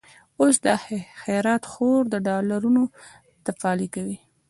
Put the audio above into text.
اوس دا خيرات خور، د ډالرونو تفالې کوي